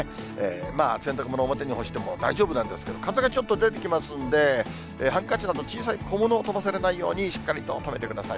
まあ、洗濯物、表に干しても大丈夫なんですけど、風がちょっと出てきますんで、ハンカチなど、小さい小物を飛ばされないように、しっかりと留めてください。